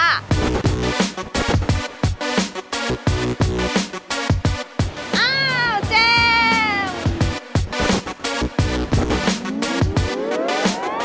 อ้าวเจมส์